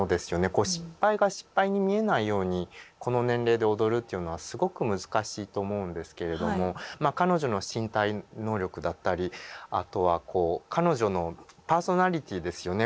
失敗が失敗に見えないようにこの年齢で踊るというのはすごく難しいと思うんですけれどもまあ彼女の身体能力だったりあとはこう彼女のパーソナリティーですよね。